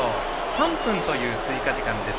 ３分という追加時間です。